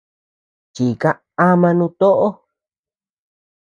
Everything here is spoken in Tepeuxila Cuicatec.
Chíika ama nutoʼo.